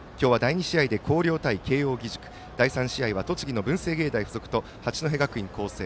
広陵対慶応義塾第３試合は栃木の文星芸大付属と八戸学院光星。